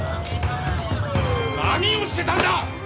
何をしてたんだ！！